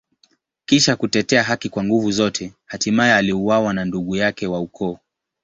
Kisha kutetea haki kwa nguvu zote, hatimaye aliuawa na ndugu yake wa ukoo.